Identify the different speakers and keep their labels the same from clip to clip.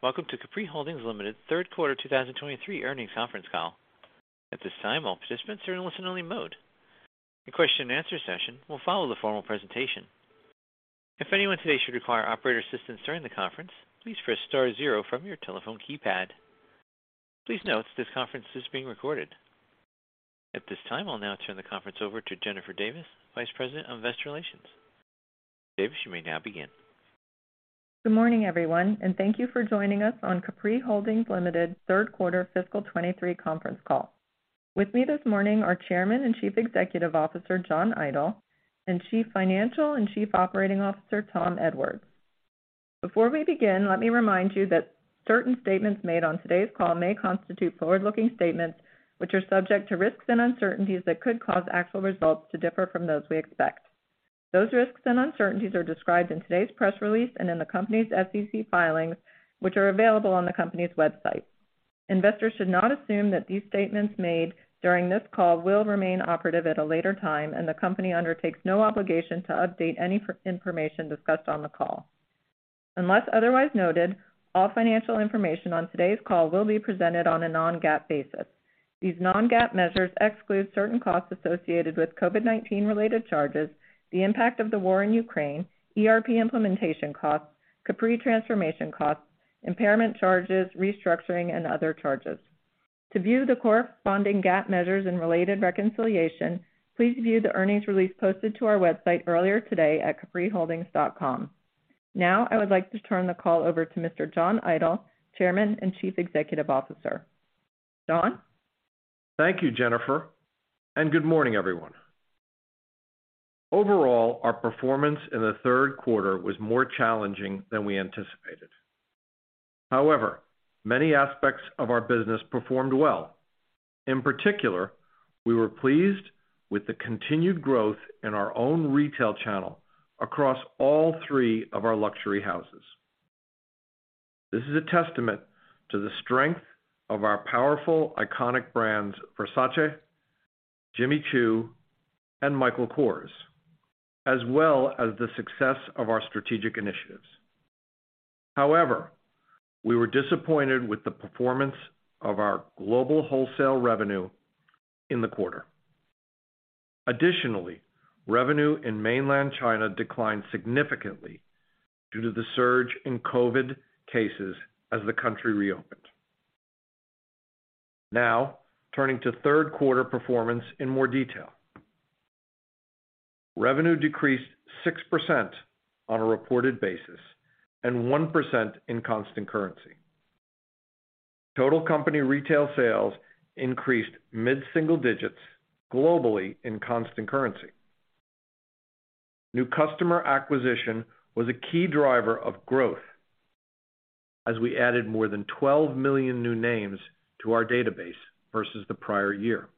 Speaker 1: Welcome to Capri Holdings Limited Third Quarter 2023 earnings conference call. At this time, all participants are in listen-only mode. A question and answer session will follow the formal presentation. If anyone today should require operator assistance during the conference, please press star zero from your telephone keypad. Please note this conference is being recorded. At this time, I'll now turn the conference over to Jennifer Davis, Vice President of Investor Relations. Davis, you may now begin.
Speaker 2: Good morning, everyone, and thank you for joining us on Capri Holdings Limited Third Quarter Fiscal 2023 conference call. With me this morning are Chairman and Chief Executive Officer, John Idol, and Chief Financial and Chief Operating Officer, Tom Edwards. Before we begin, let me remind you that certain statements made on today's call may constitute forward-looking statements, which are subject to risks and uncertainties that could cause actual results to differ from those we expect. Those risks and uncertainties are described in today's press release and in the company's SEC filings, which are available on the company's website. Investors should not assume that these statements made during this call will remain operative at a later time, and the company undertakes no obligation to update any information discussed on the call. Unless otherwise noted, all financial information on today's call will be presented on a non-GAAP basis. These non-GAAP measures exclude certain costs associated with COVID-19 related charges, the impact of the war in Ukraine, ERP implementation costs, Capri transformation costs, impairment charges, restructuring and other charges. To view the corresponding GAAP measures and related reconciliation, please view the earnings release posted to our website earlier today at capriholdings.com. I would like to turn the call over to Mr. John Idol, Chairman and Chief Executive Officer. John?
Speaker 3: Thank you, Jennifer. Good morning, everyone. Overall, our performance in the third quarter was more challenging than we anticipated. Many aspects of our business performed well. In particular, we were pleased with the continued growth in our own retail channel across all three of our luxury houses. This is a testament to the strength of our powerful, iconic brands, Versace, Jimmy Choo, and Michael Kors, as well as the success of our strategic initiatives. We were disappointed with the performance of our global wholesale revenue in the quarter. Revenue in Mainland China declined significantly due to the surge in COVID cases as the country reopened. Turning to third quarter performance in more detail. Revenue decreased 6% on a reported basis and 1% in constant currency. Total company retail sales increased mid-single digits globally in constant currency. New customer acquisition was a key driver of growth as we added more than 12 million new names to our database versus the prior year.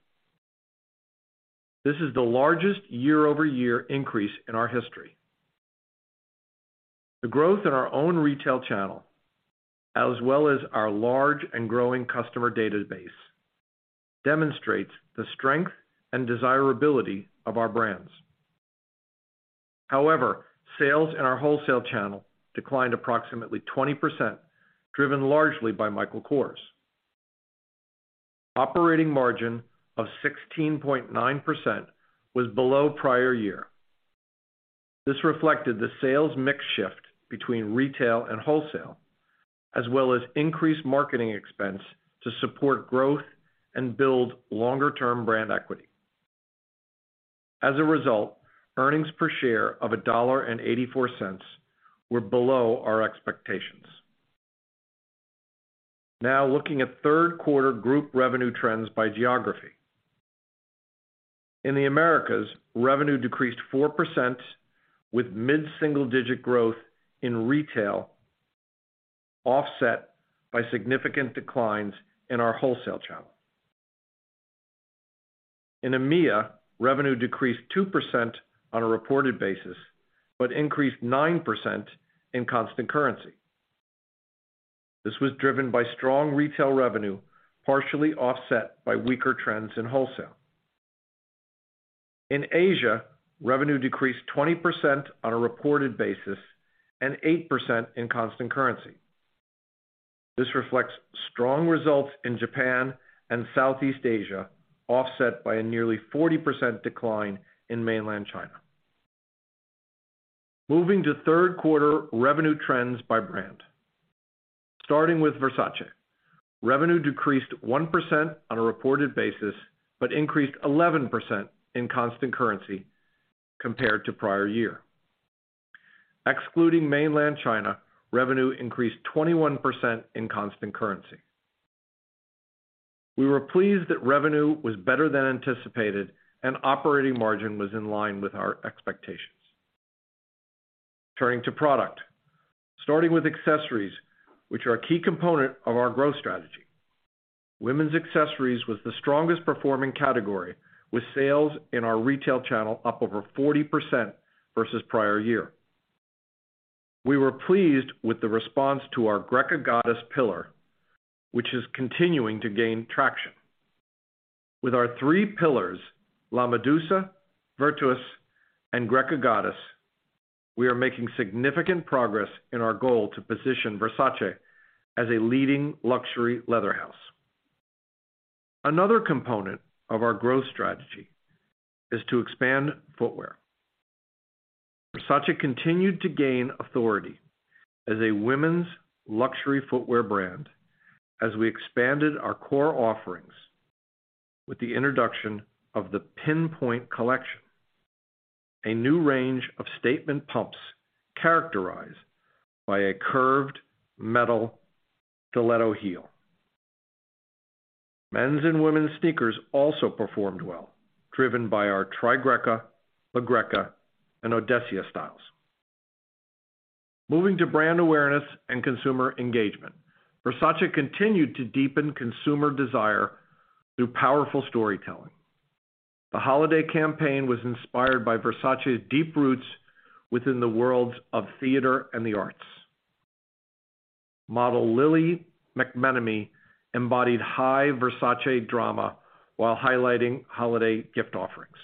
Speaker 3: This is the largest year-over-year increase in our history. The growth in our own retail channel, as well as our large and growing customer database, demonstrates the strength and desirability of our brands. However, sales in our wholesale channel declined approximately 20%, driven largely by Michael Kors. Operating margin of 16.9% was below prior year. This reflected the sales mix shift between retail and wholesale, as well as increased marketing expense to support growth and build longer-term brand equity. As a result, earnings per share of $1.84 were below our expectations. Now looking at third quarter group revenue trends by geography. In the Americas, revenue decreased 4% with mid-single-digit growth in retail, offset by significant declines in our wholesale channel. In EMEA, revenue decreased 2% on a reported basis, increased 9% in constant currency. This was driven by strong retail revenue, partially offset by weaker trends in wholesale. In Asia, revenue decreased 20% on a reported basis and 8% in constant currency. This reflects strong results in Japan and Southeast Asia, offset by a nearly 40% decline in Mainland China. Moving to third quarter revenue trends by brand. Starting with Versace. Revenue decreased 1% on a reported basis, increased 11% in constant currency compared to prior year. Excluding Mainland China, revenue increased 21% in constant currency. We were pleased that revenue was better than anticipated and operating margin was in line with our expectations. Turning to product, starting with accessories, which are a key component of our growth strategy. Women's accessories was the strongest performing category, with sales in our retail channel up over 40% versus prior year. We were pleased with the response to our Greca Goddess pillar, which is continuing to gain traction. With our three pillars, La Medusa, Virtus, and Greca Goddess, we are making significant progress in our goal to position Versace as a leading luxury leather house. Another component of our growth strategy is to expand footwear. Versace continued to gain authority as a women's luxury footwear brand as we expanded our core offerings with the introduction of the Pin-Point collection, a new range of statement pumps characterized by a curved metal stiletto heel. Men's and women's sneakers also performed well, driven by our Trigreca, La Greca, and Odissea styles. Moving to brand awareness and consumer engagement. Versace continued to deepen consumer desire through powerful storytelling. The holiday campaign was inspired by Versace's deep roots within the worlds of theater and the arts. Model Lily McMenamy embodied high Versace drama while highlighting holiday gift offerings.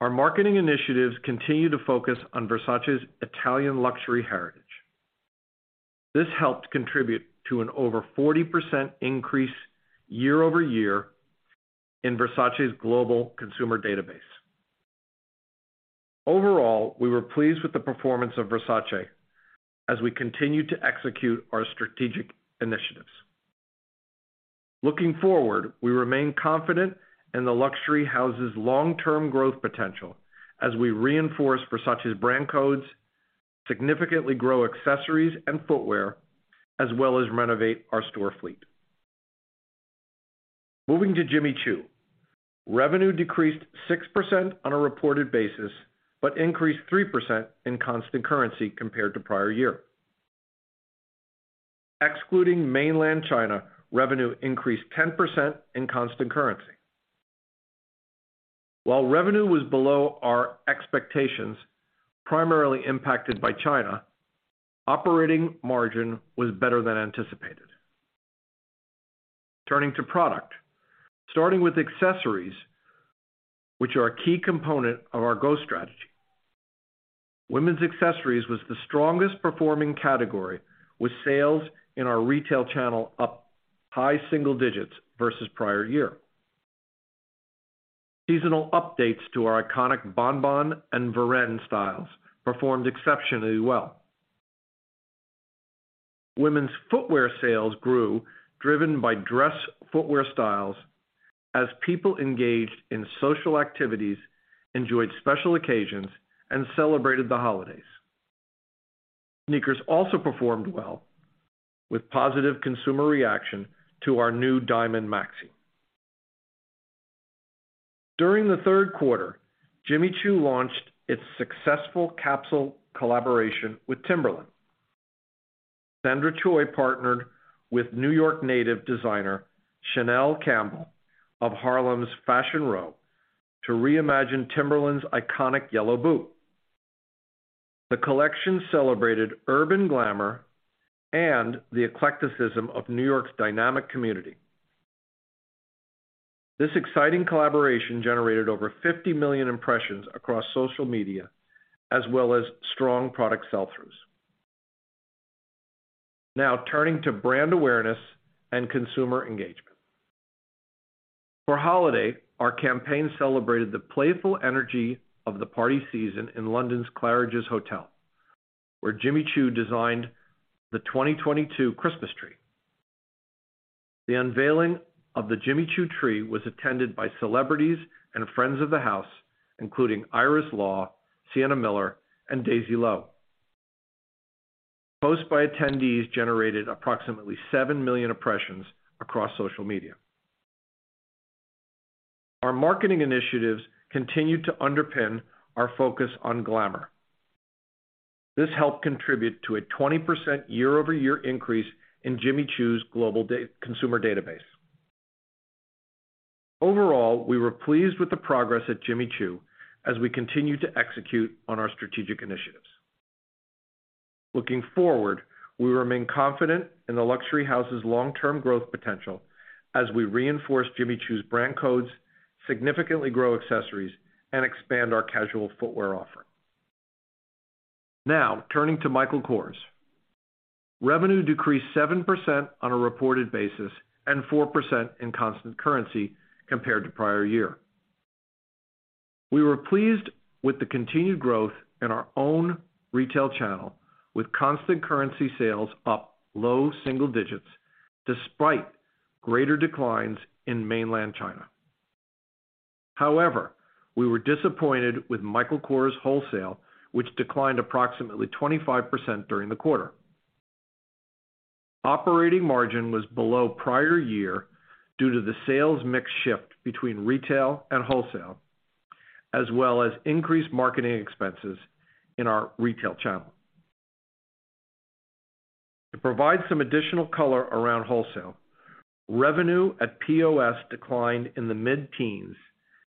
Speaker 3: Our marketing initiatives continue to focus on Versace's Italian luxury heritage. This helped contribute to an over 40% increase year-over-year in Versace's global consumer database. Overall, we were pleased with the performance of Versace as we continue to execute our strategic initiatives. Looking forward, we remain confident in the luxury house's long-term growth potential as we reinforce Versace's brand codes, significantly grow accessories and footwear, as well as renovate our store fleet. Moving to Jimmy Choo. Revenue decreased 6% on a reported basis, but increased 3% in constant currency compared to prior year. Excluding Mainland China, revenue increased 10% in constant currency. While revenue was below our expectations, primarily impacted by China, operating margin was better than anticipated. Turning to product. Starting with accessories, which are a key component of our growth strategy. Women's accessories was the strongest performing category, with sales in our retail channel up high single digits versus prior year. Seasonal updates to our iconic Bon Bon and Varenne styles performed exceptionally well. Women's footwear sales grew, driven by dress footwear styles as people engaged in social activities, enjoyed special occasions, and celebrated the holidays. Sneakers also performed well with positive consumer reaction to our new Diamond Maxi. During the third quarter, Jimmy Choo launched its successful capsule collaboration with Timberland. Sandra Choi partnered with New York native designer Shanel Campbell of Harlem's Fashion Row to reimagine Timberland's iconic yellow boot. The collection celebrated urban glamour and the eclecticism of New York's dynamic community. This exciting collaboration generated over 50 million impressions across social media, as well as strong product sell-throughs. Turning to brand awareness and consumer engagement. For holiday, our campaign celebrated the playful energy of the party season in London's Claridge's Hotel, where Jimmy Choo designed the 2022 Christmas tree. The unveiling of the Jimmy Choo tree was attended by celebrities and friends of the house, including Iris Law, Sienna Miller, and Daisy Lowe. Posts by attendees generated approximately 7 million impressions across social media. Our marketing initiatives continue to underpin our focus on glamour. This helped contribute to a 20% year-over-year increase in Jimmy Choo's global consumer database. We were pleased with the progress at Jimmy Choo as we continue to execute on our strategic initiatives. Looking forward, we remain confident in the luxury house's long-term growth potential as we reinforce Jimmy Choo's brand codes, significantly grow accessories, and expand our casual footwear offering. Now turning to Michael Kors. Revenue decreased 7% on a reported basis and 4% in constant currency compared to prior year. We were pleased with the continued growth in our own retail channel, with constant currency sales up low single digits despite greater declines in Mainland China. However, we were disappointed with Michael Kors wholesale, which declined approximately 25% during the quarter. Operating margin was below prior year due to the sales mix shift between retail and wholesale, as well as increased marketing expenses in our retail channel. To provide some additional color around wholesale, revenue at POS declined in the mid-teens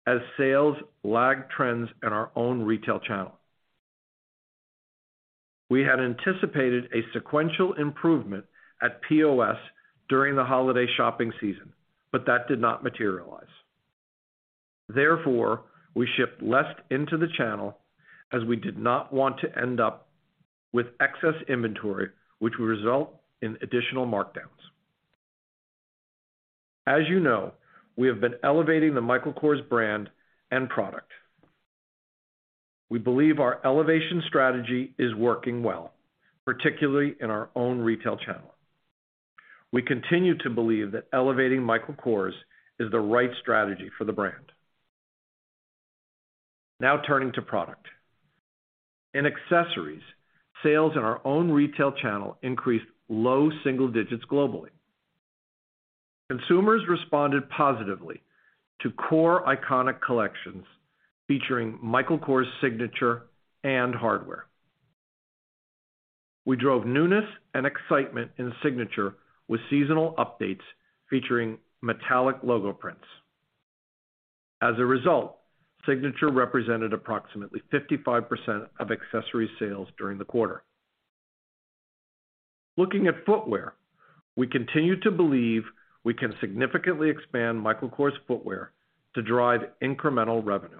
Speaker 3: as sales lagged trends in our own retail channel. We had anticipated a sequential improvement at POS during the holiday shopping season, but that did not materialize. Therefore, we shipped less into the channel as we did not want to end up with excess inventory, which would result in additional markdowns. As you know, we have been elevating the Michael Kors brand and product. We believe our elevation strategy is working well, particularly in our own retail channel. We continue to believe that elevating Michael Kors is the right strategy for the brand. Turning to product. In accessories, sales in our own retail channel increased low single digits globally. Consumers responded positively to core iconic collections featuring Michael Kors signature and hardware. We drove newness and excitement in signature with seasonal updates featuring metallic logo prints. As a result, signature represented approximately 55% of accessory sales during the quarter. Looking at footwear, we continue to believe we can significantly expand Michael Kors footwear to drive incremental revenue.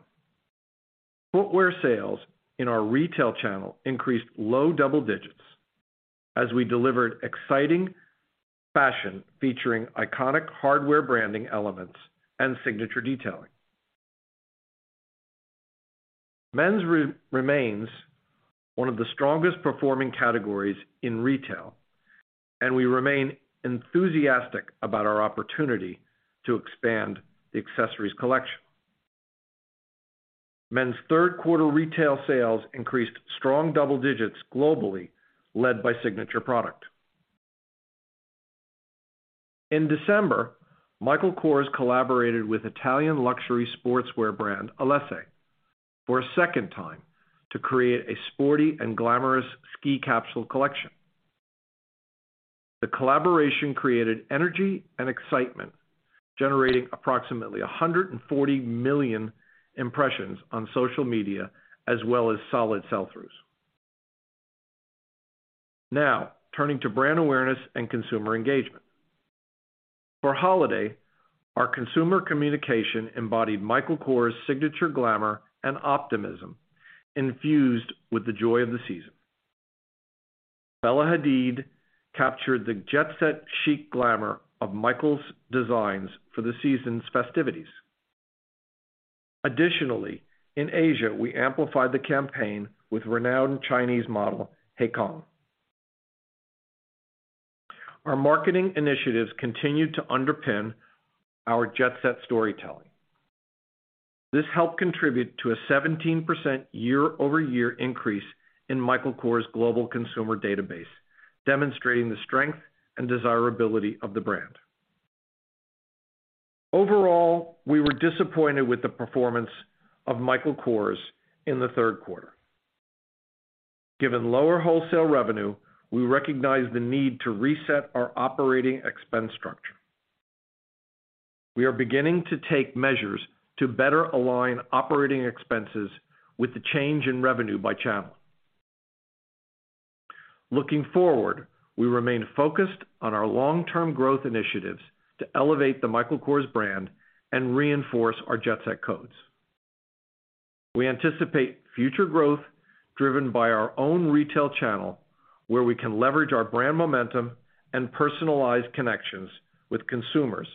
Speaker 3: Footwear sales in our retail channel increased low double digits as we delivered exciting fashion featuring iconic hardware branding elements and signature detailing. Men's remains one of the strongest performing categories in retail, and we remain enthusiastic about our opportunity to expand the accessories collection. Men's third quarter retail sales increased strong double digits globally, led by signature product. In December, Michael Kors collaborated with Italian luxury sportswear brand, Ellesse, for a second time to create a sporty and glamorous ski capsule collection. The collaboration created energy and excitement, generating approximately 140 million impressions on social media as well as solid sell-throughs. Now, turning to brand awareness and consumer engagement. For holiday, our consumer communication embodied Michael Kors' signature glamour and optimism infused with the joy of the season. Bella Hadid captured the jet set chic glamour of Michael's designs for the season's festivities. Additionally, in Asia, we amplified the campaign with renowned Chinese model, He Cong. Our marketing initiatives continued to underpin our jet set storytelling. This helped contribute to a 17% year-over-year increase in Michael Kors' global consumer database, demonstrating the strength and desirability of the brand. Overall, we were disappointed with the performance of Michael Kors in the third quarter. Given lower wholesale revenue, we recognize the need to reset our operating expense structure. We are beginning to take measures to better align operating expenses with the change in revenue by channel. Looking forward, we remain focused on our long-term growth initiatives to elevate the Michael Kors brand and reinforce our jet set codes. We anticipate future growth driven by our own retail channel, where we can leverage our brand momentum and personalized connections with consumers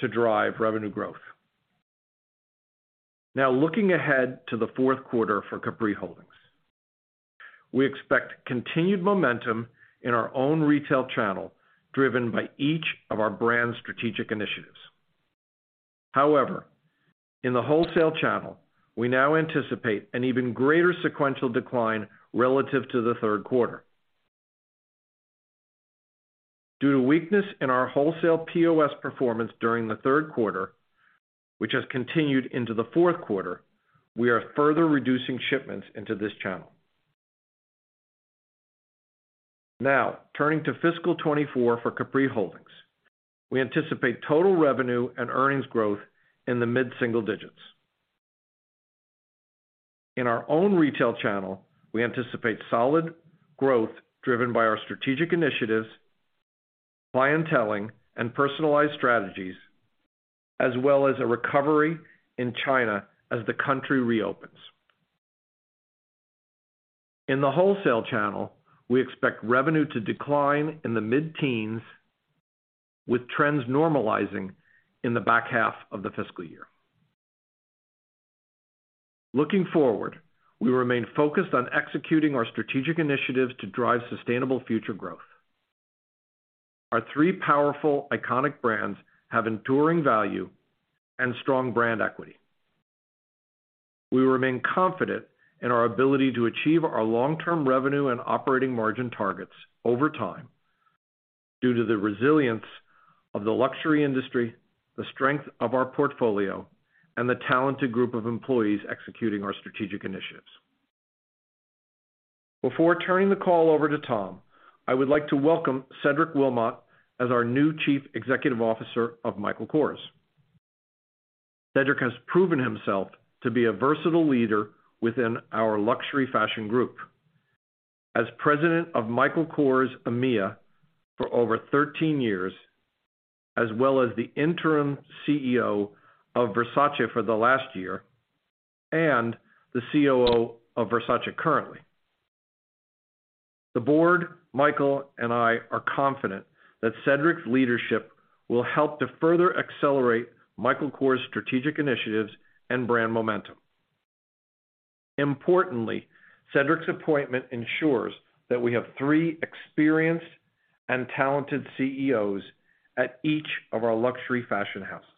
Speaker 3: to drive revenue growth. Looking ahead to the fourth quarter for Capri Holdings, we expect continued momentum in our own retail channel, driven by each of our brand's strategic initiatives. In the wholesale channel, we now anticipate an even greater sequential decline relative to the third quarter. Due to weakness in our wholesale POS performance during the third quarter, which has continued into the fourth quarter, we are further reducing shipments into this channel. Turning to fiscal 2024 for Capri Holdings, we anticipate total revenue and earnings growth in the mid-single digits. In our own retail channel, we anticipate solid growth driven by our strategic initiatives, clienteling, and personalized strategies, as well as a recovery in China as the country reopens. In the wholesale channel, we expect revenue to decline in the mid-teens, with trends normalizing in the back half of the fiscal year. Looking forward, we remain focused on executing our strategic initiatives to drive sustainable future growth. Our three powerful iconic brands have enduring value and strong brand equity. We remain confident in our ability to achieve our long-term revenue and operating margin targets over time due to the resilience of the luxury industry, the strength of our portfolio, and the talented group of employees executing our strategic initiatives. Before turning the call over to Tom, I would like to welcome Cedric Wilmotte as our new Chief Executive Officer of Michael Kors. Cedric has proven himself to be a versatile leader within our luxury fashion group. As president of Michael Kors EMEA for over 13 years, as well as the interim CEO of Versace for the last year, and the COO of Versace currently, the board, Michael, and I are confident that Cedric's leadership will help to further accelerate Michael Kors' strategic initiatives and brand momentum. Importantly, Cedric's appointment ensures that we have three experienced and talented CEOs at each of our luxury fashion houses.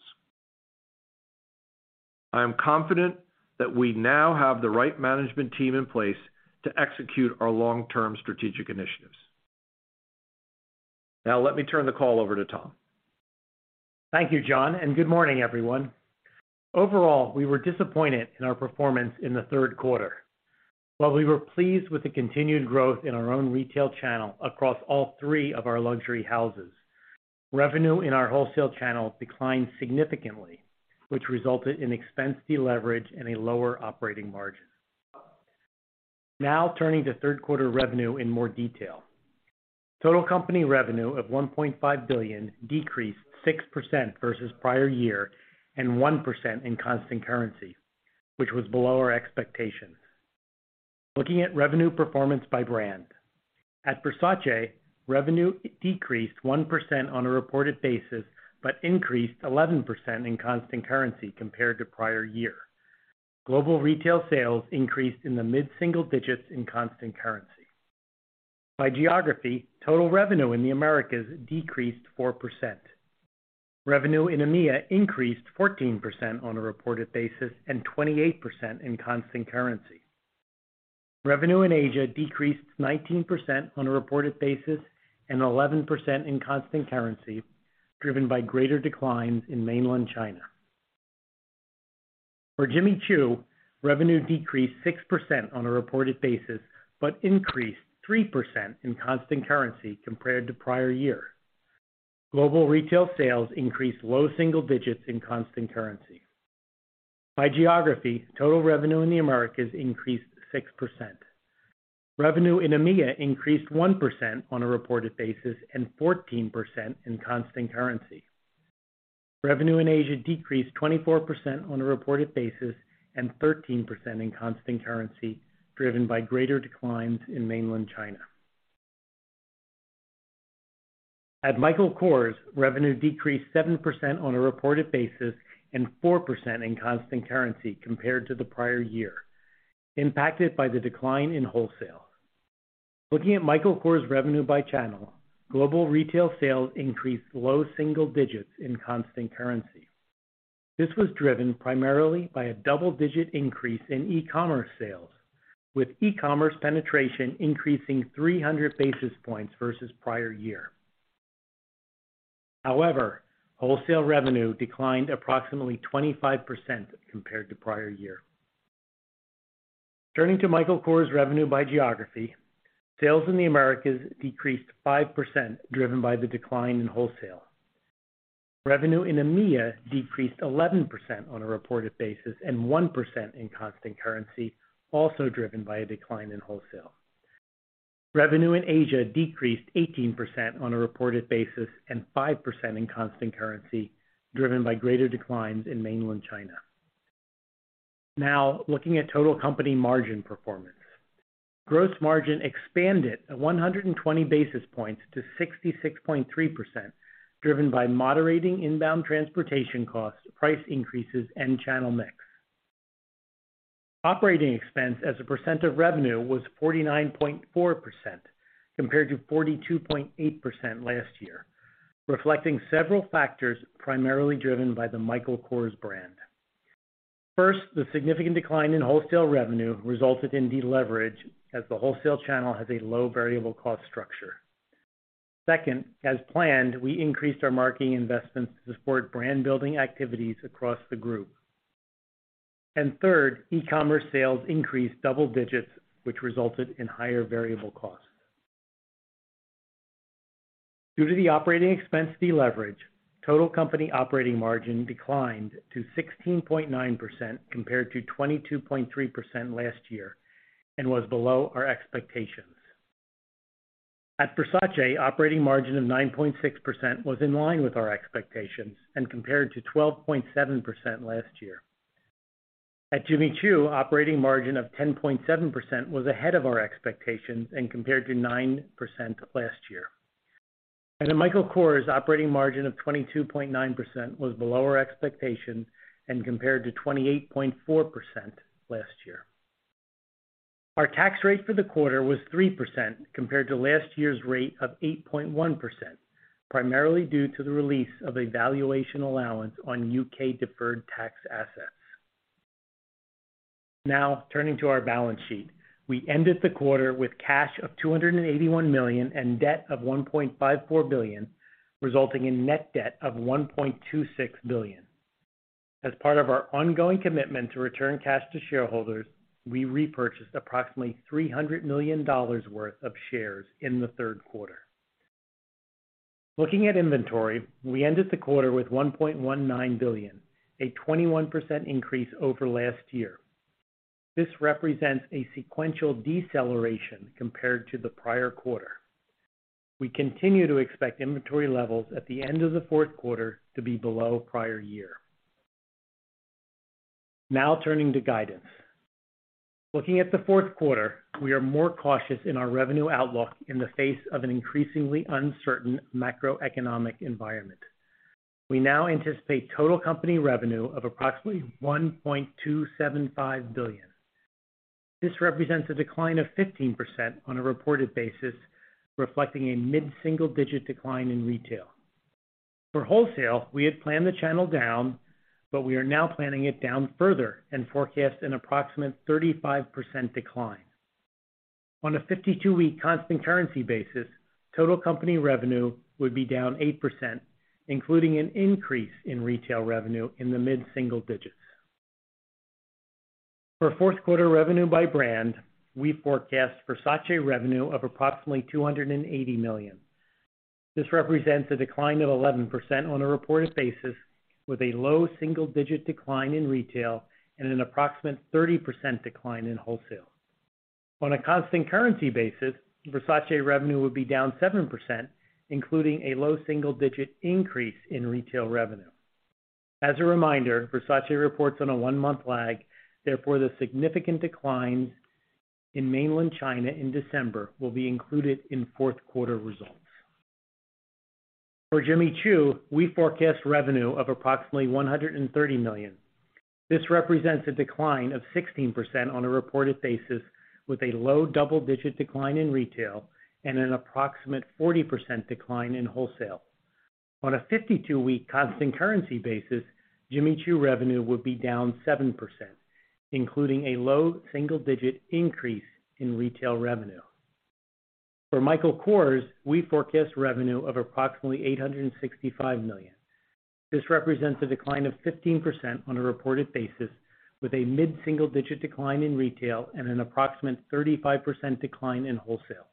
Speaker 3: I am confident that we now have the right management team in place to execute our long-term strategic initiatives. Now let me turn the call over to Tom.
Speaker 4: Thank you, John, and good morning, everyone. Overall, we were disappointed in our performance in the third quarter. While we were pleased with the continued growth in our own retail channel across all three of our luxury houses, revenue in our wholesale channel declined significantly, which resulted in expense deleverage and a lower operating margin. Turning to third quarter revenue in more detail. Total company revenue of $1.5 billion decreased 6% versus prior year and 1% in constant currency, which was below our expectations. Looking at revenue performance by brand. At Versace, revenue decreased 1% on a reported basis but increased 11% in constant currency compared to prior year. Global retail sales increased in the mid-single digits in constant currency. By geography, total revenue in the Americas decreased 4%. Revenue in EMEA increased 14% on a reported basis and 28% in constant currency. Revenue in Asia decreased 19% on a reported basis and 11% in constant currency, driven by greater declines in mainland China. For Jimmy Choo, revenue decreased 6% on a reported basis but increased 3% in constant currency compared to prior year. Global retail sales increased low single digits in constant currency. By geography, total revenue in the Americas increased 6%. Revenue in EMEA increased 1% on a reported basis and 14% in constant currency. Revenue in Asia decreased 24% on a reported basis and 13% in constant currency, driven by greater declines in mainland China. At Michael Kors, revenue decreased 7% on a reported basis and 4% in constant currency compared to the prior year, impacted by the decline in wholesale. Looking at Michael Kors revenue by channel, global retail sales increased low single digits in constant currency. This was driven primarily by a double-digit increase in e-commerce sales, with e-commerce penetration increasing 300 basis points versus prior year. Wholesale revenue declined approximately 25% compared to prior year. Turning to Michael Kors revenue by geography, sales in the Americas decreased 5%, driven by the decline in wholesale. Revenue in EMEA decreased 11% on a reported basis and 1% in constant currency, also driven by a decline in wholesale. Revenue in Asia decreased 18% on a reported basis and 5% in constant currency, driven by greater declines in mainland China. Looking at total company margin performance. Gross margin expanded 120 basis points to 66.3%, driven by moderating inbound transportation costs, price increases, and channel mix. Operating expense as a percent of revenue was 49.4% compared to 42.8% last year, reflecting several factors primarily driven by the Michael Kors brand. The significant decline in wholesale revenue resulted in deleverage as the wholesale channel has a low variable cost structure. As planned, we increased our marketing investments to support brand-building activities across the group. Third, e-commerce sales increased double digits, which resulted in higher variable costs. Due to the operating expense deleverage, total company operating margin declined to 16.9% compared to 22.3% last year and was below our expectations. At Versace, operating margin of 9.6% was in line with our expectations and compared to 12.7% last year. At Jimmy Choo, operating margin of 10.7% was ahead of our expectations and compared to 9% last year. At Michael Kors, operating margin of 22.9% was below our expectations and compared to 28.4% last year. Our tax rate for the quarter was 3% compared to last year's rate of 8.1%, primarily due to the release of a valuation allowance on U.K. deferred tax assets. Turning to our balance sheet. We ended the quarter with cash of $281 million and debt of $1.54 billion, resulting in net debt of $1.26 billion. As part of our ongoing commitment to return cash to shareholders, we repurchased approximately $300 million worth of shares in the third quarter. Looking at inventory, we ended the quarter with $1.19 billion, a 21% increase over last year. This represents a sequential deceleration compared to the prior quarter. We continue to expect inventory levels at the end of the fourth quarter to be below prior year. Turning to guidance. Looking at the fourth quarter, we are more cautious in our revenue outlook in the face of an increasingly uncertain macroeconomic environment. We now anticipate total company revenue of approximately $1.275 billion. This represents a decline of 15% on a reported basis, reflecting a mid-single digit decline in retail. For wholesale, we had planned the channel down, but we are now planning it down further and forecast an approximate 35% decline. On a 52-week constant currency basis, total company revenue would be down 8%, including an increase in retail revenue in the mid-single digits. For fourth quarter revenue by brand, we forecast Versace revenue of approximately $280 million. This represents a decline of 11% on a reported basis, with a low single-digit decline in retail and an approximate 30% decline in wholesale. On a constant currency basis, Versace revenue would be down 7%, including a low single-digit increase in retail revenue. As a reminder, Versace reports on a one-month lag. The significant declines in mainland China in December will be included in fourth quarter results. For Jimmy Choo, we forecast revenue of approximately $130 million. This represents a decline of 16% on a reported basis, with a low double-digit decline in retail and an approximate 40% decline in wholesale. On a 52-week constant currency basis, Jimmy Choo revenue would be down 7%, including a low single-digit increase in retail revenue. For Michael Kors, we forecast revenue of approximately $865 million. This represents a decline of 15% on a reported basis, with a mid-single digit decline in retail and an approximate 35% decline in wholesale.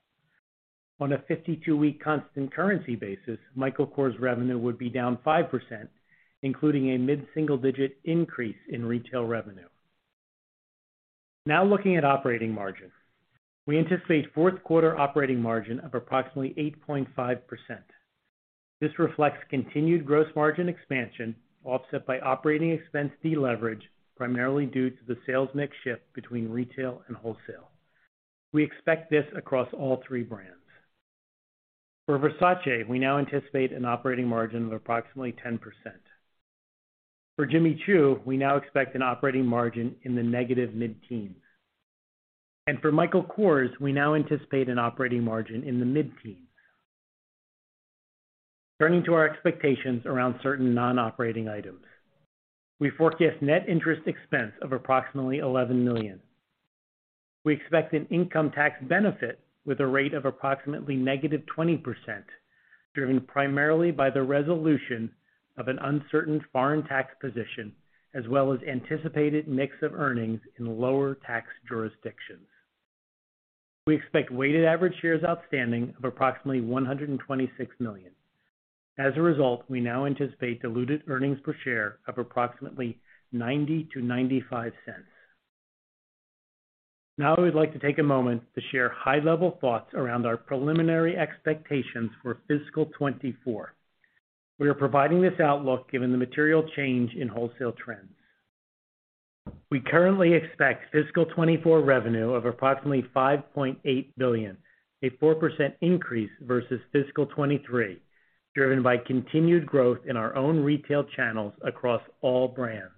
Speaker 4: On a 52-week constant currency basis, Michael Kors revenue would be down 5%, including a mid-single digit increase in retail revenue. Looking at operating margin. We anticipate fourth quarter operating margin of approximately 8.5%. This reflects continued gross margin expansion, offset by operating expense deleverage, primarily due to the sales mix shift between retail and wholesale. We expect this across all three brands. For Versace, we now anticipate an operating margin of approximately 10%. For Jimmy Choo, we now expect an operating margin in the negative mid-teens. For Michael Kors, we now anticipate an operating margin in the mid-teens. Turning to our expectations around certain non-operating items. We forecast net interest expense of approximately $11 million. We expect an income tax benefit with a rate of approximately -20%, driven primarily by the resolution of an uncertain foreign tax position, as well as anticipated mix of earnings in lower tax jurisdictions. We expect weighted average shares outstanding of approximately 126 million. As a result, we now anticipate diluted earnings per share of approximately $0.90-$0.95. Now I would like to take a moment to share high-level thoughts around our preliminary expectations for fiscal 2024. We are providing this outlook given the material change in wholesale trends. We currently expect fiscal 2024 revenue of approximately $5.8 billion, a 4% increase versus fiscal 2023, driven by continued growth in our own retail channels across all brands.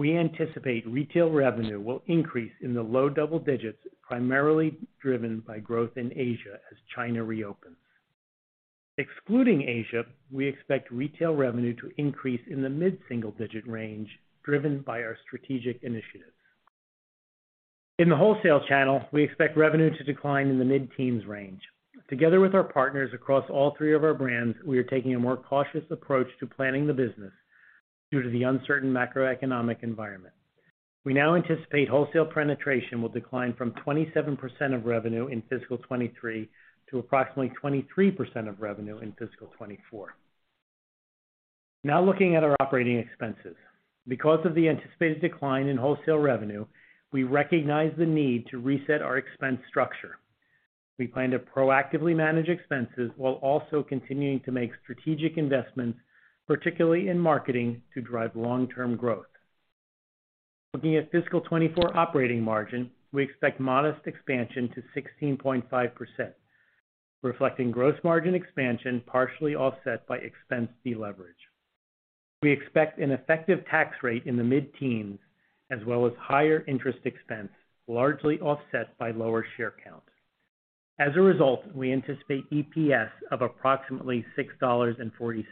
Speaker 4: We anticipate retail revenue will increase in the low double digits, primarily driven by growth in Asia as China reopens. Excluding Asia, we expect retail revenue to increase in the mid-single digit range driven by our strategic initiatives. In the wholesale channel, we expect revenue to decline in the mid-teens range. Together with our partners across all three of our brands, we are taking a more cautious approach to planning the business due to the uncertain macroeconomic environment. We now anticipate wholesale penetration will decline from 27% of revenue in fiscal 2023 to approximately 23% of revenue in fiscal 2024. Looking at our operating expenses. Because of the anticipated decline in wholesale revenue, we recognize the need to reset our expense structure. We plan to proactively manage expenses while also continuing to make strategic investments, particularly in marketing, to drive long-term growth. Looking at fiscal 2024 operating margin, we expect modest expansion to 16.5%, reflecting gross margin expansion partially offset by expense deleverage. We expect an effective tax rate in the mid-teens, as well as higher interest expense, largely offset by lower share count. As a result, we anticipate EPS of approximately $6.40.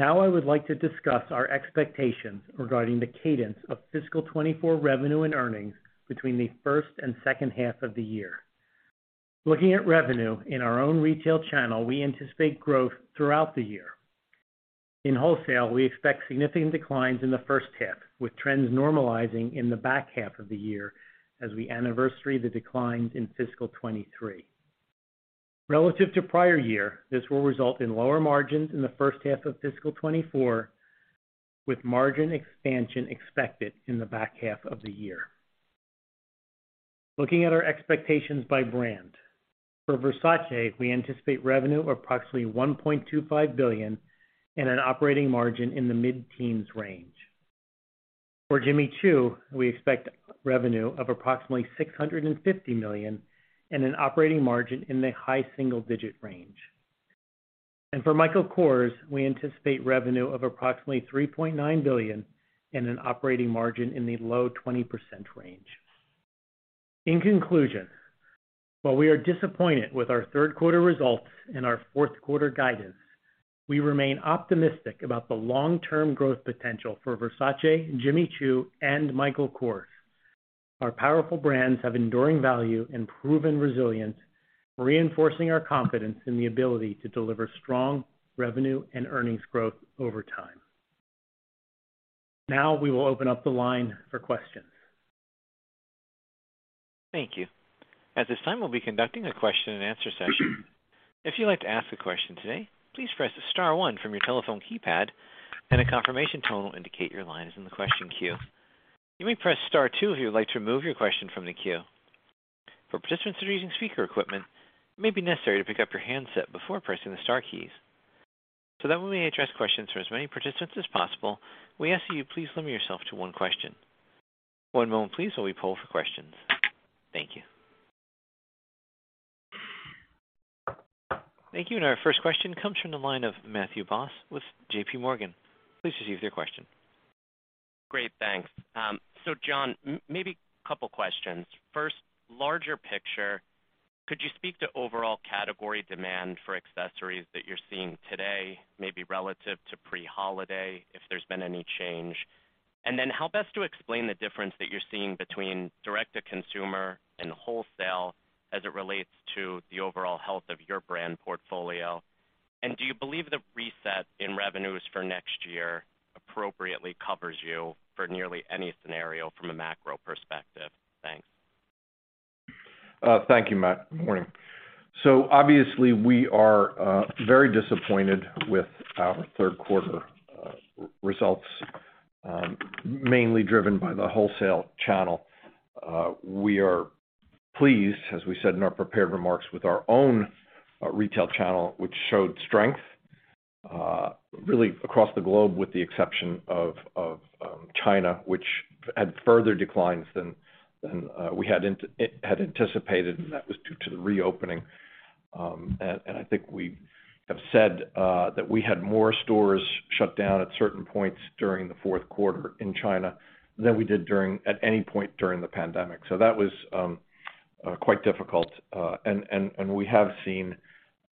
Speaker 4: I would like to discuss our expectations regarding the cadence of fiscal 2024 revenue and earnings between the first and second half of the year. Looking at revenue in our own retail channel, we anticipate growth throughout the year. In wholesale, we expect significant declines in the first half, with trends normalizing in the back half of the year as we anniversary the declines in fiscal 2023. Relative to prior year, this will result in lower margins in the first half of fiscal 2024, with margin expansion expected in the back half of the year. Looking at our expectations by brand. For Versace, we anticipate revenue of approximately $1.25 billion and an operating margin in the mid-teens range. For Jimmy Choo, we expect revenue of approximately $650 million and an operating margin in the high single-digit range. For Michael Kors, we anticipate revenue of approximately $3.9 billion and an operating margin in the low 20% range. In conclusion, while we are disappointed with our third quarter results and our fourth quarter guidance, we remain optimistic about the long-term growth potential for Versace, Jimmy Choo and Michael Kors. Our powerful brands have enduring value and proven resilience, reinforcing our confidence in the ability to deliver strong revenue and earnings growth over time. Now we will open up the line for questions.
Speaker 1: Thank you. At this time, we'll be conducting a question and answer session. If you'd like to ask a question today, please press star one from your telephone keypad and a confirmation tone will indicate your line is in the question queue. You may press star two if you would like to remove your question from the queue. For participants that are using speaker equipment, it may be necessary to pick up your handset before pressing the star keys. That we may address questions from as many participants as possible, we ask that you please limit yourself to one question. One moment please, while we poll for questions. Thank you. Thank you. Our first question comes from the line of Matthew Boss with J.P. Morgan. Please proceed with your question.
Speaker 5: Great, thanks. John, maybe a couple questions. First, larger picture. Could you speak to overall category demand for accessories that you're seeing today, maybe relative to pre-holiday, if there's been any change? How best to explain the difference that you're seeing between direct to consumer and wholesale as it relates to the overall health of your brand portfolio? Do you believe the reset in revenues for next year appropriately covers you for nearly any scenario from a macro perspective? Thanks.
Speaker 3: Thank you, Matt. Good morning. Obviously, we are very disappointed with our third quarter results, mainly driven by the wholesale channel. We are pleased, as we said in our prepared remarks, with our own retail channel, which showed strength really across the globe with the exception of China, which had further declines than we had anticipated, and that was due to the reopening. And I think we have said that we had more stores shut down at certain points during the fourth quarter in China than we did at any point during the pandemic. That was quite difficult. And, and we have seen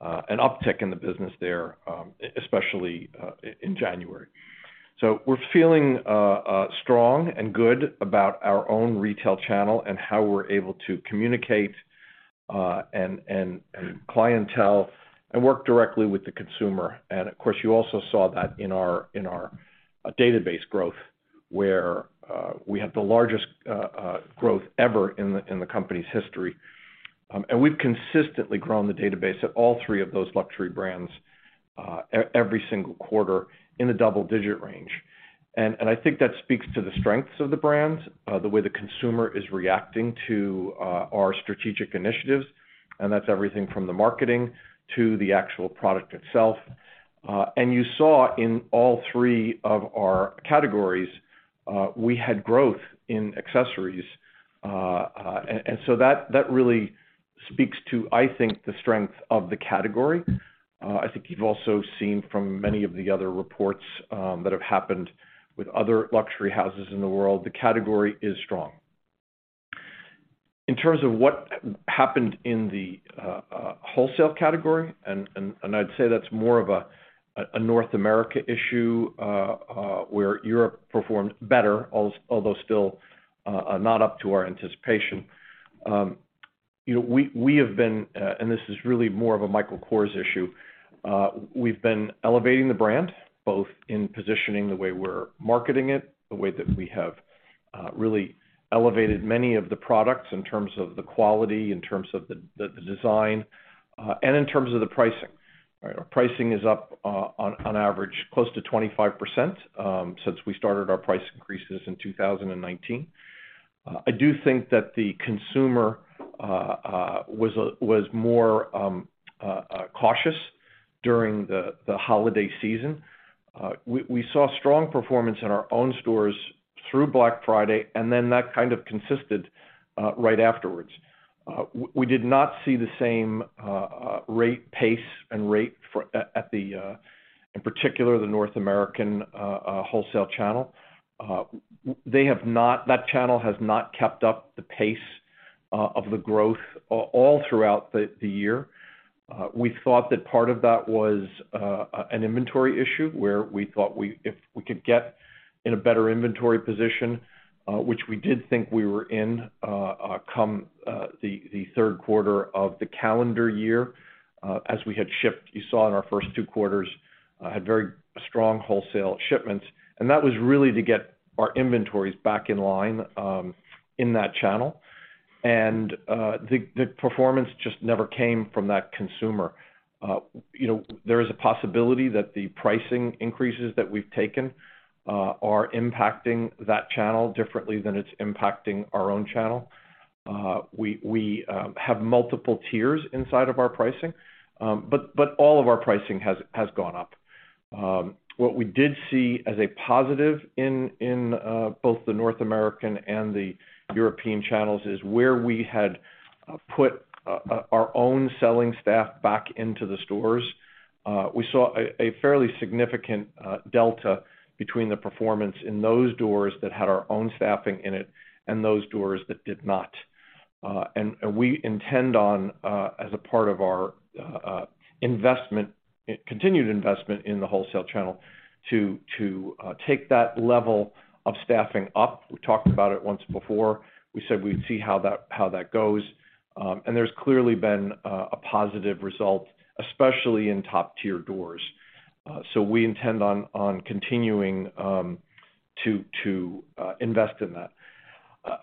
Speaker 3: an uptick in the business there, especially in January. We're feeling strong and good about our own retail channel and how we're able to communicate and clientele and work directly with the consumer. Of course, you also saw that in our database growth, where we had the largest growth ever in the company's history. We've consistently grown the database at all three of those luxury brands, every single quarter in the double-digit range. I think that speaks to the strengths of the brands, the way the consumer is reacting to our strategic initiatives, and that's everything from the marketing to the actual product itself. You saw in all three of our categories, we had growth in accessories. That really speaks to, I think, the strength of the category. I think you've also seen from many of the other reports that have happened with other luxury houses in the world, the category is strong. In terms of what happened in the wholesale category, and I'd say that's more of a North America issue, where Europe performed better, although still not up to our anticipation. You know, we have been, this is really more of a Michael Kors issue. We've been elevating the brand, both in positioning the way we're marketing it, the way that we have really elevated many of the products in terms of the quality, in terms of the design, and in terms of the pricing. Right? Our pricing is up on average close to 25% since we started our price increases in 2019. I do think that the consumer was more cautious during the holiday season. We saw strong performance in our own stores through Black Friday, and then that kind of consisted right afterwards. We did not see the same rate, pace and rate for at the in particular, the North American wholesale channel. That channel has not kept up the pace of the growth all throughout the year. We thought that part of that was an inventory issue where we thought if we could get in a better inventory position, which we did think we were in, come the third quarter of the calendar year, as we had shipped, you saw in our first two quarters, had very strong wholesale shipments. That was really to get our inventories back in line in that channel. The performance just never came from that consumer. You know, there is a possibility that the pricing increases that we've taken are impacting that channel differently than it's impacting our own channel. We have multiple tiers inside of our pricing, but all of our pricing has gone up. What we did see as a positive in both the North American and the European channels is where we had put our own selling staff back into the stores, we saw a fairly significant delta between the performance in those doors that had our own staffing in it and those doors that did not. We intend on as a part of our investment, continued investment in the wholesale channel, to take that level of staffing up. We talked about it once before. We said we'd see how that goes. There's clearly been a positive result, especially in top-tier doors. We intend on continuing to invest in that.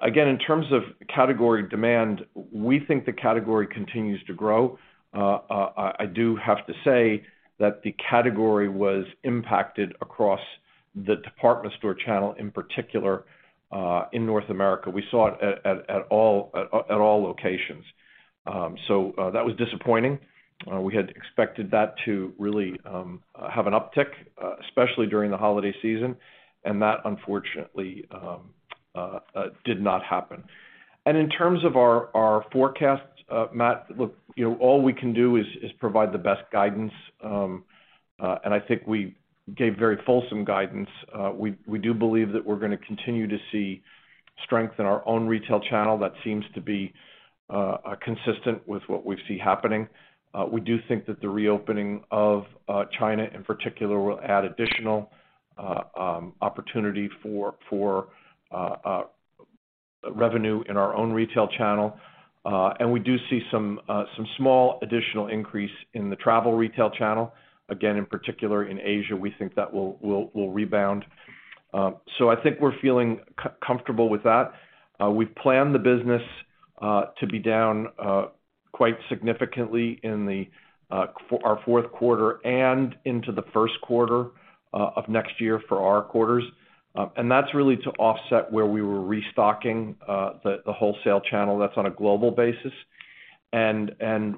Speaker 3: Again, in terms of category demand, we think the category continues to grow. I do have to say that the category was impacted across the department store channel, in particular, in North America. We saw it at all locations. That was disappointing. We had expected that to really have an uptick especially during the holiday season. That, unfortunately, did not happen. In terms of our forecast, Matt, look, you know, all we can do is provide the best guidance. I think we gave very fulsome guidance. We do believe that we're gonna continue to see strength in our own retail channel. That seems to be consistent with what we see happening. We do think that the reopening of China in particular will add additional opportunity for revenue in our own retail channel. We do see some small additional increase in the travel retail channel. Again, in particular in Asia, we think that will rebound. I think we're feeling comfortable with that. We've planned the business to be down quite significantly in our fourth quarter and into the first quarter of next year for our quarters. That's really to offset where we were restocking the wholesale channel. That's on a global basis.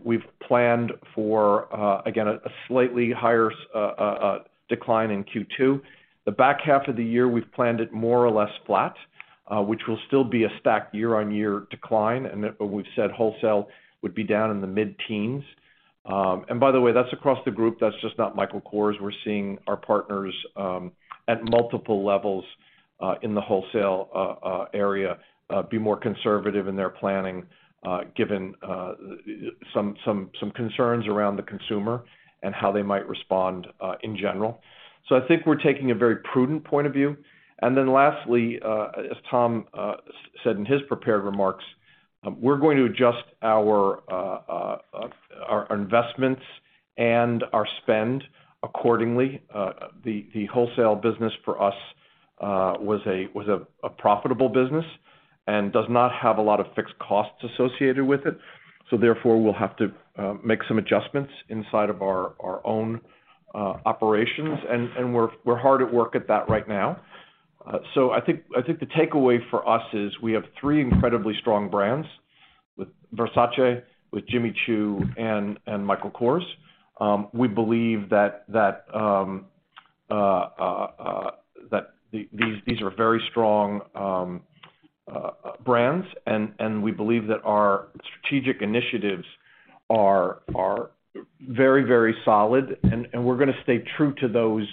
Speaker 3: We've planned for again, a slightly higher decline in Q2. The back half of the year, we've planned it more or less flat, which will still be a stacked year-on-year decline. We've said wholesale would be down in the mid-teens. By the way, that's across the group. That's just not Michael Kors. We're seeing our partners, at multiple levels, in the wholesale area, be more conservative in their planning, given some concerns around the consumer and how they might respond, in general. I think we're taking a very prudent point of view. Lastly, as Tom said in his prepared remarks, we're going to adjust our investments and our spend accordingly. The wholesale business for us was a profitable business and does not have a lot of fixed costs associated with it. Therefore, we'll have to make some adjustments inside of our own operations, and we're hard at work at that right now. I think the takeaway for us is we have three incredibly strong brands with Versace, with Jimmy Choo, and Michael Kors. We believe that these are very strong brands. And we believe that our strategic initiatives are very solid, and we're gonna stay true to those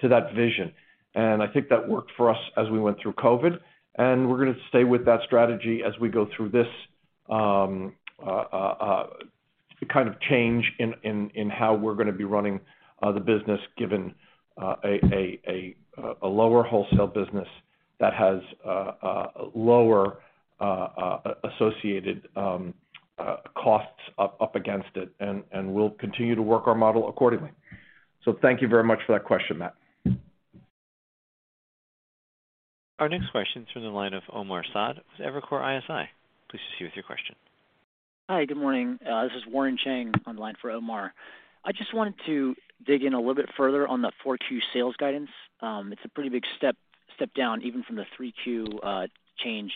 Speaker 3: to that vision. I think that worked for us as we went through COVID-19, and we're gonna stay with that strategy as we go through this kind of change in how we're gonna be running the business given a lower wholesale business that has lower associated costs up against it, and we'll continue to work our model accordingly. Thank you very much for that question, Matthew.
Speaker 1: Our next question is from the line of Omar Saad with Evercore ISI. Please proceed with your question.
Speaker 6: Hi, good morning. This is Warren Cheng on the line for Omar. I just wanted to dig in a little bit further on the 4Q sales guidance. It's a pretty big step down even from the 3Q change.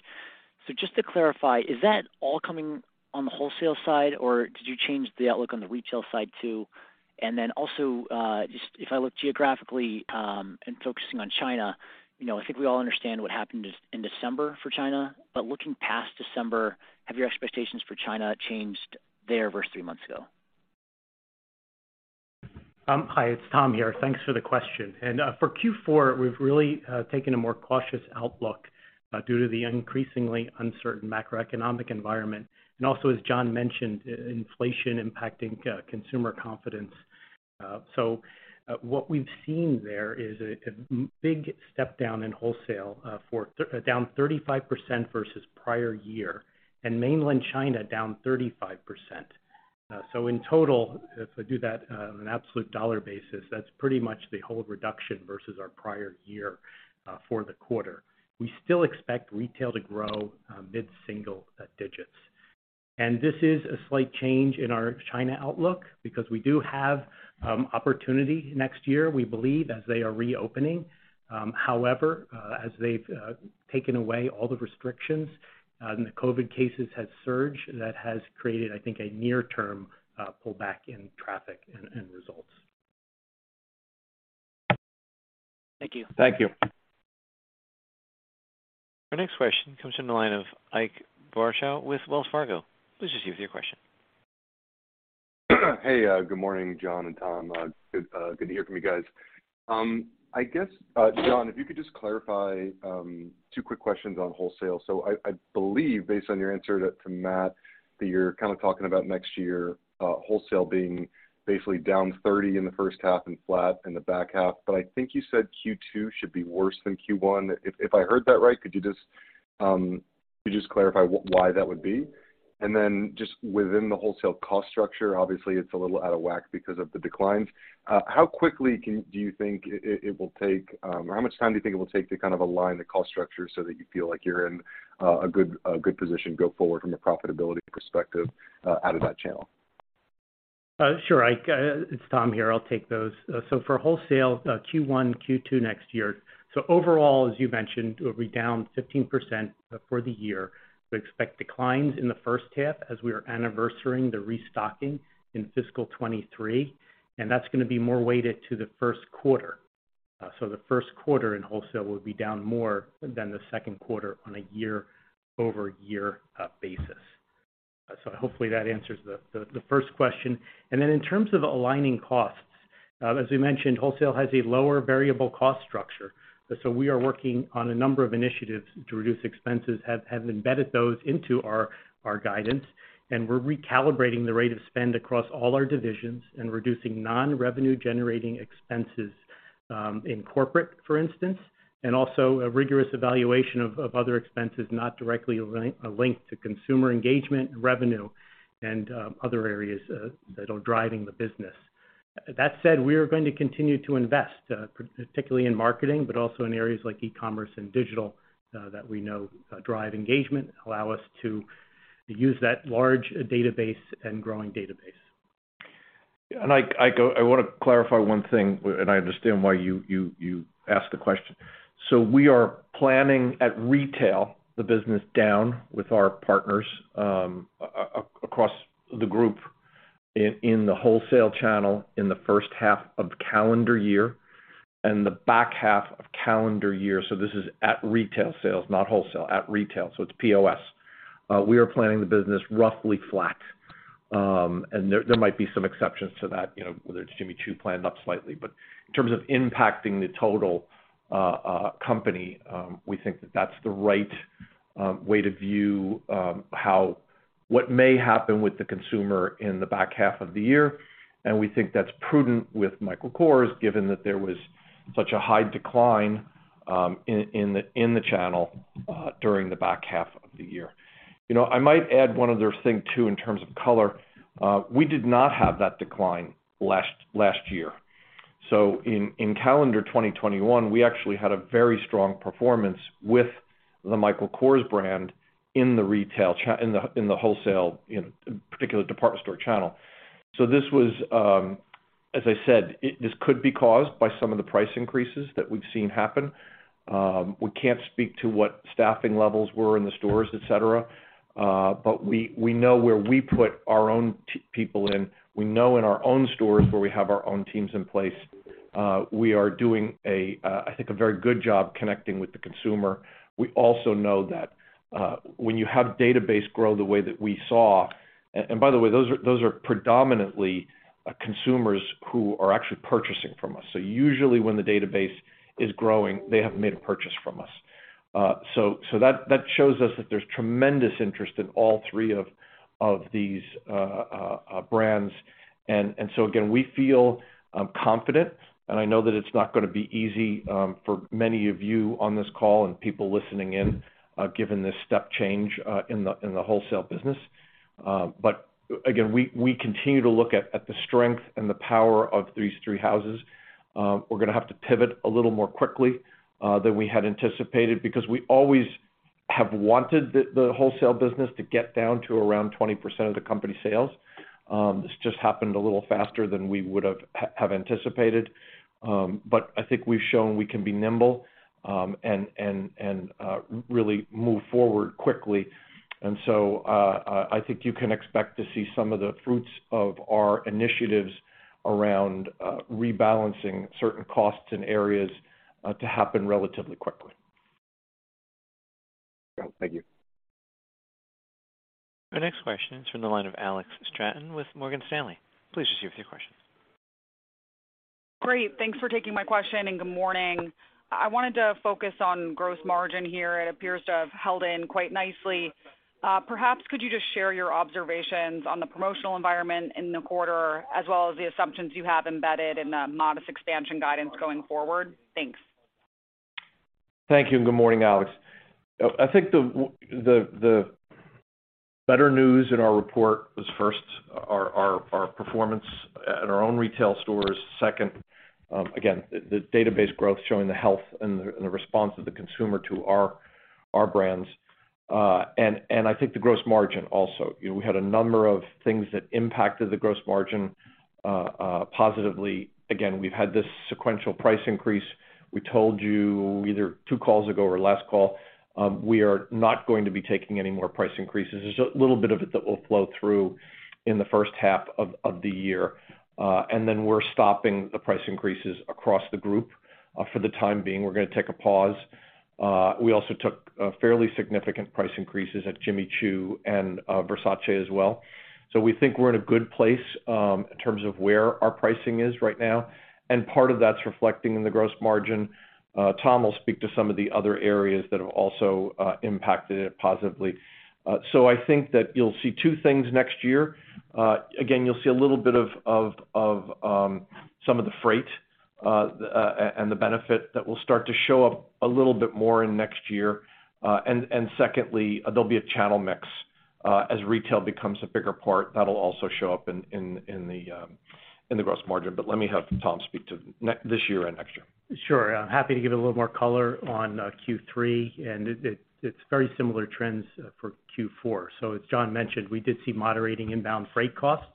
Speaker 6: Just to clarify, is that all coming on the wholesale side, or did you change the outlook on the retail side too? Also, just if I look geographically, and focusing on China, you know, I think we all understand what happened just in December for China. Looking past December, have your expectations for China changed there versus three months ago?
Speaker 4: Hi, it's Tom here. Thanks for the question. For Q4, we've really taken a more cautious outlook due to the increasingly uncertain macroeconomic environment and also, as John mentioned, inflation impacting consumer confidence. What we've seen there is a big step down in wholesale, down 35% versus prior year, and Mainland China down 35%. In total, if I do that, on an absolute dollar basis, that's pretty much the whole reduction versus our prior year for the quarter. We still expect retail to grow mid-single digits. This is a slight change in our China outlook because we do have opportunity next year, we believe, as they are reopening. As they've taken away all the restrictions, and the COVID cases have surged, that has created, I think, a near term, pullback in traffic and results.
Speaker 6: Thank you.
Speaker 4: Thank you.
Speaker 1: Our next question comes from the line of Ike Boruchow with Wells Fargo. Please just give us your question.
Speaker 7: Hey, good morning, John and Tom. Good to hear from you guys. I guess, John, if you could just clarify, two quick questions on wholesale. I believe, based on your answer to Matt, that you're kinda talking about next year, wholesale being basically down 30 in the first half and flat in the back half. I think you said Q2 should be worse than Q1. If I heard that right, could you just, could you just clarify why that would be? Then just within the wholesale cost structure, obviously it's a little out of whack because of the declines. How quickly can... Do you think it will take, or how much time do you think it will take to kind of align the cost structure so that you feel like you're in a good position go forward from a profitability perspective, out of that channel?
Speaker 4: Sure, Ike. It's Tom here. I'll take those. For wholesale, Q1, Q2 next year. Overall, as you mentioned, we'll be down 15% for the year. We expect declines in the first half as we are anniversarying the restocking in fiscal 2023, and that's gonna be more weighted to the first quarter. The first quarter in wholesale will be down more than the second quarter on a year-over-year basis. Hopefully that answers the first question. And then in terms of aligning costs, as we mentioned, wholesale has a lower variable cost structure. We are working on a number of initiatives to reduce expenses, have embedded those into our guidance, and we're recalibrating the rate of spend across all our divisions and reducing non-revenue generating expenses, in corporate, for instance, and also a rigorous evaluation of other expenses not directly linked to consumer engagement, revenue, and other areas that are driving the business. That said, we are going to continue to invest, particularly in marketing, but also in areas like e-commerce and digital, that we know drive engagement, allow us to use that large database and growing database.
Speaker 3: Ike, I wanna clarify one thing, and I understand why you ask the question. We are planning at retail the business down with our partners across the group in the wholesale channel in the first half of calendar year and the back half of calendar year. This is at retail sales, not wholesale, at retail, so it's POS. We are planning the business roughly flat. And there might be some exceptions to that, you know, whether it's Jimmy Choo planned up slightly. In terms of impacting the total company, we think that that's the right way to view how... what may happen with the consumer in the back half of the year. We think that's prudent with Michael Kors given that there was such a high decline in the channel during the back half of the year. You know, I might add one other thing too in terms of color. We did not have that decline last year. In calendar 2021, we actually had a very strong performance with the Michael Kors brand in the wholesale, in particular department store channel. This was as I said, this could be caused by some of the price increases that we've seen happen. We can't speak to what staffing levels were in the stores, et cetera, but we know where we put our own people in. We know in our own stores where we have our own teams in place, we are doing I think a very good job connecting with the consumer. We also know that when you have database grow the way that we saw. By the way, those are predominantly consumers who are actually purchasing from us. Usually when the database is growing, they have made a purchase from us. That shows us that there's tremendous interest in all three of these brands. Again, we feel confident, and I know that it's not gonna be easy for many of you on this call and people listening in, given this step change in the wholesale business. Again, we continue to look at the strength and the power of these three houses. We're gonna have to pivot a little more quickly than we had anticipated because we always have wanted the wholesale business to get down to around 20% of the company sales. This just happened a little faster than we would have anticipated. I think we've shown we can be nimble and really move forward quickly. I think you can expect to see some of the fruits of our initiatives around rebalancing certain costs in areas to happen relatively quickly.
Speaker 7: Thank you.
Speaker 1: Our next question is from the line of Alex Straton with Morgan Stanley. Please proceed with your question.
Speaker 8: Great. Thanks for taking my question. Good morning. I wanted to focus on gross margin here. It appears to have held in quite nicely. Perhaps could you just share your observations on the promotional environment in the quarter, as well as the assumptions you have embedded in the modest expansion guidance going forward? Thanks.
Speaker 3: Thank you, and good morning, Alex. I think the better news in our report was first, our performance at our own retail stores. Second, again, the database growth showing the health and the response of the consumer to our brands. I think the gross margin also. You know, we had a number of things that impacted the gross margin, positively. Again, we've had this sequential price increase. We told you either two calls ago or last call, we are not going to be taking any more price increases. There's a little bit of it that will flow through in the first half of the year. We're stopping the price increases across the group. For the time being, we're gonna take a pause. We also took fairly significant price increases at Jimmy Choo and Versace as well. We think we're in a good place in terms of where our pricing is right now, and part of that's reflecting in the gross margin. Tom will speak to some of the other areas that have also impacted it positively. I think that you'll see two things next year. Again, you'll see a little bit of some of the freight and the benefit that will start to show up a little bit more in next year. Secondly, there'll be a channel mix as retail becomes a bigger part, that'll also show up in the gross margin. Let me have Tom speak to this year and next year.
Speaker 4: Sure. I'm happy to give a little more color on Q3. It's very similar trends for Q4. As John mentioned, we did see moderating inbound freight costs.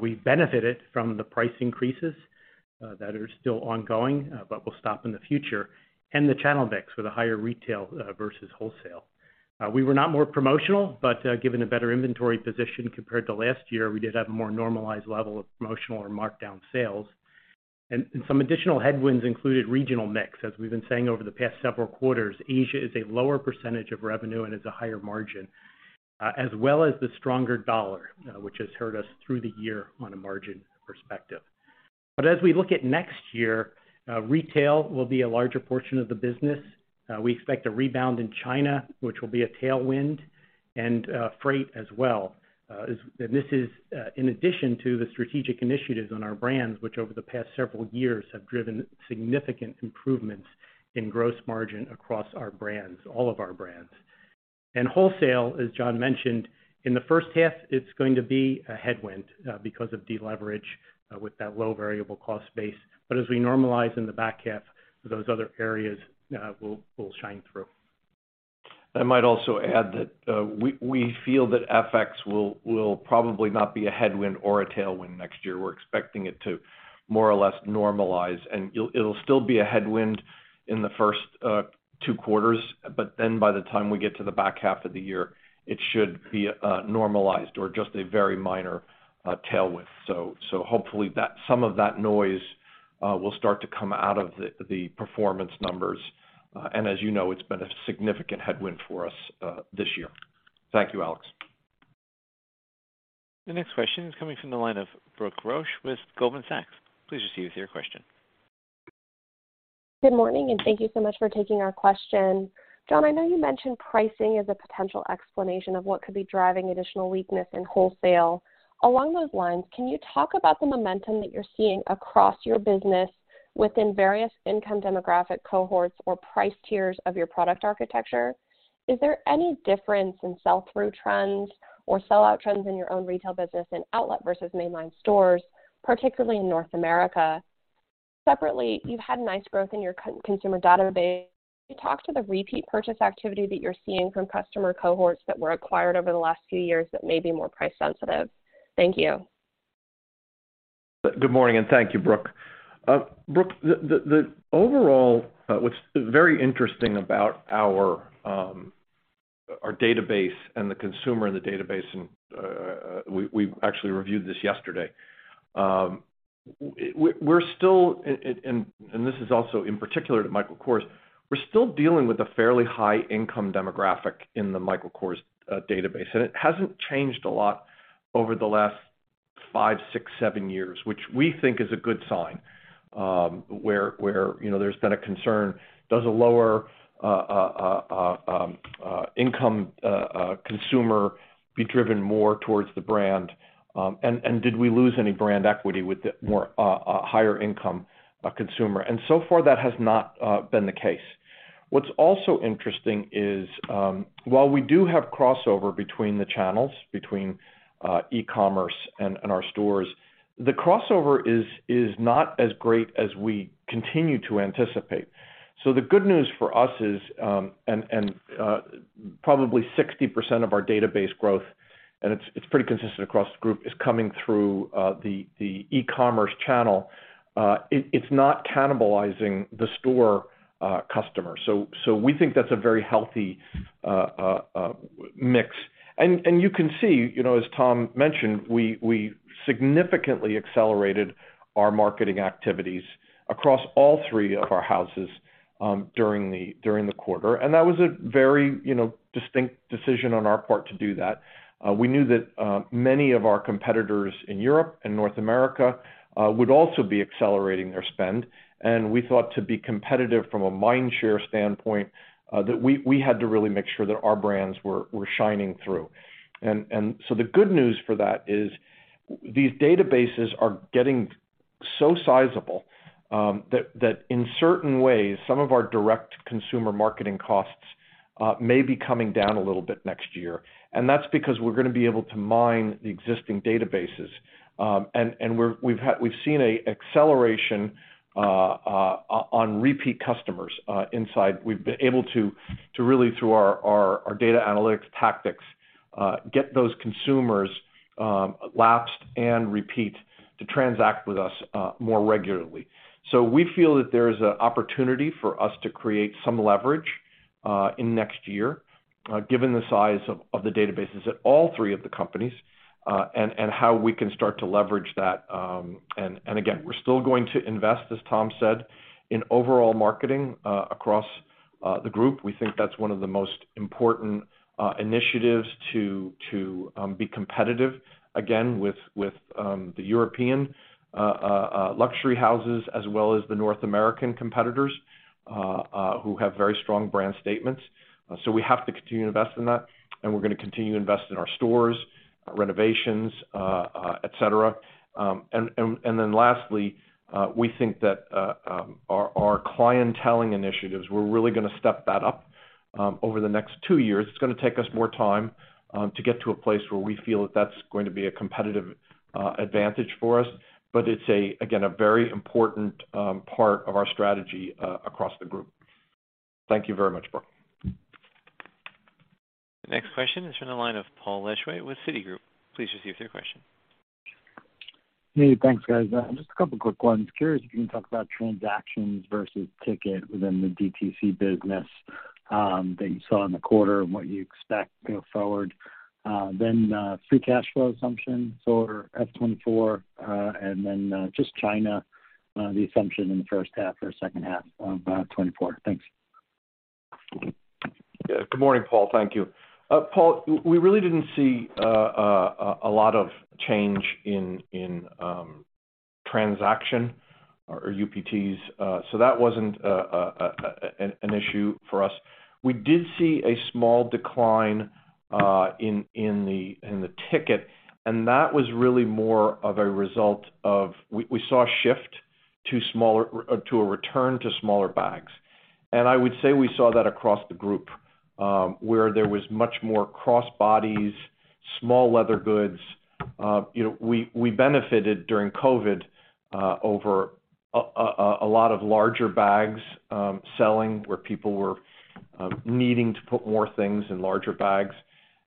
Speaker 4: We benefited from the price increases that are still ongoing, but will stop in the future, and the channel mix with a higher retail versus wholesale. We were not more promotional, but given a better inventory position compared to last year, we did have more normalized level of promotional or markdown sales. Some additional headwinds included regional mix. As we've been saying over the past several quarters, Asia is a lower percentage of revenue and is a higher margin, as well as the stronger dollar, which has hurt us through the year on a margin perspective. As we look at next year, retail will be a larger portion of the business. We expect a rebound in China, which will be a tailwind, and freight as well. And this is in addition to the strategic initiatives on our brands, which over the past several years have driven significant improvements in gross margin across our brands, all of our brands. Wholesale, as John mentioned, in the first half, it's going to be a headwind because of deleverage with that low variable cost base. As we normalize in the back half, those other areas will shine through.
Speaker 3: I might also add that we feel that FX will probably not be a headwind or a tailwind next year. We're expecting it to more or less normalize. It'll still be a headwind in the first two quarters. By the time we get to the back half of the year, it should be normalized or just a very minor tailwind. Hopefully that some of that noise will start to come out of the performance numbers. As you know, it's been a significant headwind for us this year. Thank you, Alex.
Speaker 1: The next question is coming from the line of Brooke Roach with Goldman Sachs. Please proceed with your question.
Speaker 9: Good morning. Thank you so much for taking our question. John, I know you mentioned pricing as a potential explanation of what could be driving additional weakness in wholesale. Along those lines, can you talk about the momentum that you're seeing across your business within various income demographic cohorts or price tiers of your product architecture? Is there any difference in sell-through trends or sell-out trends in your own retail business in outlet versus mainline stores, particularly in North America? Separately, you've had nice growth in your consumer database. Can you talk to the repeat purchase activity that you're seeing from customer cohorts that were acquired over the last few years that may be more price sensitive? Thank you.
Speaker 3: Good morning, and thank you, Brooke. Brooke, the overall, what's very interesting about our database and the consumer in the database, we actually reviewed this yesterday. This is also in particular to Michael Kors. We're still dealing with a fairly high income demographic in the Michael Kors database, and it hasn't changed a lot over the last five, six, seven years, which we think is a good sign, where, you know, there's been a concern, does a lower income consumer be driven more towards the brand? Did we lose any brand equity with the more higher income consumer? So far, that has not been the case. What's also interesting is, while we do have crossover between the channels, between e-commerce and our stores, the crossover is not as great as we continue to anticipate. The good news for us is, and probably 60% of our database growth, and it's pretty consistent across the group, is coming through the e-commerce channel. It's not cannibalizing the store customer. So we think that's a very healthy mix. And you can see, you know, as Tom mentioned, we significantly accelerated our marketing activities across all three of our houses during the quarter. That was a very, you know, distinct decision on our part to do that. We knew that many of our competitors in Europe and North America would also be accelerating their spend. We thought to be competitive from a mindshare standpoint that we had to really make sure that our brands were shining through. The good news for that is these databases are So sizable that in certain ways, some of our direct consumer marketing costs may be coming down a little bit next year. That's because we're gonna be able to mine the existing databases. We've seen a acceleration on repeat customers inside. We've been able to really through our data analytics tactics get those consumers lapsed and repeat to transact with us more regularly. We feel that there is an opportunity for us to create some leverage in next year given the size of the databases at all three of the companies and how we can start to leverage that. Again, we're still going to invest, as Tom said, in overall marketing across the group. We think that's one of the most important initiatives to be competitive again with the European luxury houses as well as the North American competitors who have very strong brand statements. We have to continue to invest in that, and we're gonna continue to invest in our stores, renovations, et cetera. Lastly, we think that our clienteling initiatives, we're really gonna step that up over the next two years. It's gonna take us more time to get to a place where we feel that that's going to be a competitive advantage for us. It's again, a very important part of our strategy across the group. Thank you very much, Brooke.
Speaker 1: The next question is from the line of Paul Lejuez with Citigroup. Please proceed with your question.
Speaker 10: Hey. Thanks, guys. Just a couple of quick ones. Curious if you can talk about transactions versus ticket within the DTC business that you saw in the quarter and what you expect going forward. Free Cash Flow assumptions or F-24. Just China, the assumption in the first half or second half of 2024. Thanks.
Speaker 3: Good morning, Paul. Thank you. Paul, we really didn't see a lot of change in transaction or UPTs. That wasn't an issue for us. We did see a small decline in the ticket, that was really more of a result of We saw a shift to a return to smaller bags. I would say we saw that across the group, where there was much more cross bodies, small leather goods. You know, we benefited during COVID, over a lot of larger bags selling, where people were needing to put more things in larger bags.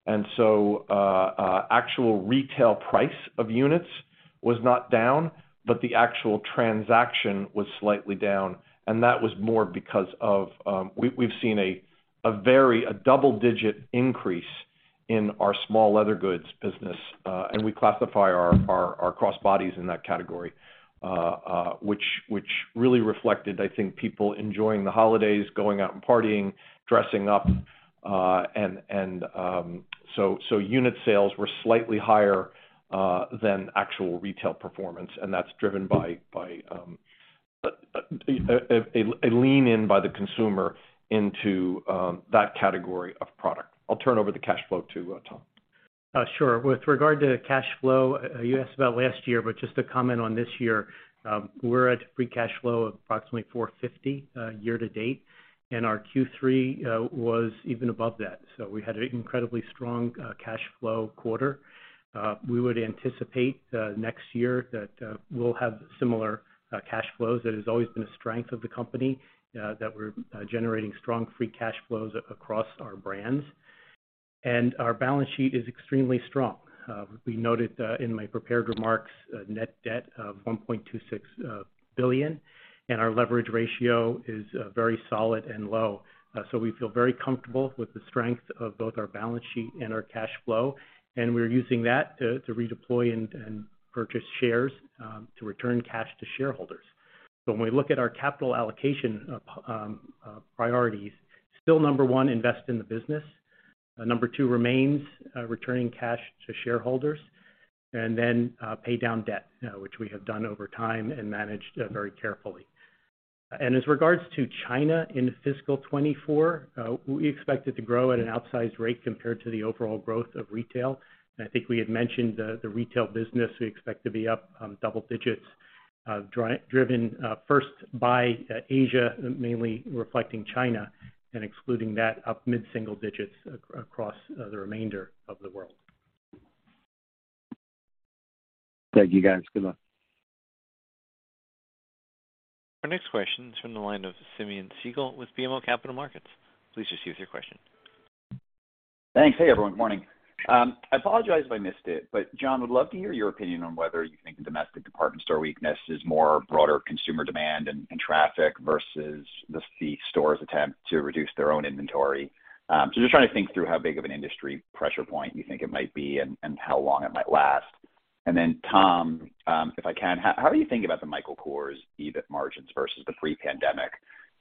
Speaker 3: Actual retail price of units was not down, but the actual transaction was slightly down, and that was more because of, we've seen a double-digit increase in our small leather goods business, and we classify our cross bodies in that category, which really reflected, I think, people enjoying the holidays, going out and partying, dressing up. Unit sales were slightly higher than actual retail performance, and that's driven by a lean in by the consumer into that category of product. I'll turn over the cash flow to Tom.
Speaker 4: Sure. With regard to cash flow, you asked about last year, but just to comment on this year, we're at Free Cash Flow of approximately $450 year-to-date, and our Q3 was even above that. We had an incredibly strong cash flow quarter. We would anticipate next year that we'll have similar cash flows. That has always been a strength of the company, that we're generating strong Free Cash Flows across our brands. Our balance sheet is extremely strong. We noted in my prepared remarks, net debt of $1.26 billion, and our leverage ratio is very solid and low. We feel very comfortable with the strength of both our balance sheet and our cash flow, and we're using that to redeploy and purchase shares to return cash to shareholders. When we look at our capital allocation priorities, still number one, invest in the business. Number two remains returning cash to shareholders. Pay down debt, which we have done over time and managed very carefully. As regards to China in fiscal 2024, we expect it to grow at an outsized rate compared to the overall growth of retail. I think we had mentioned the retail business we expect to be up double digits, driven first by Asia, mainly reflecting China, and excluding that up mid-single digits across the remainder of the world.
Speaker 10: Thank you, guys. Good luck.
Speaker 1: Our next question is from the line of Simeon Siegel with BMO Capital Markets. Please proceed with your question.
Speaker 11: Thanks. Hey, everyone. Morning. I apologize if I missed it, but John, would love to hear your opinion on whether you think domestic department store weakness is more broader consumer demand and traffic versus the stores attempt to reduce their own inventory. Just trying to think through how big of an industry pressure point you think it might be and how long it might last. Then, Tom, if I can, how are you thinking about the Michael Kors EBIT margins versus the pre-pandemic?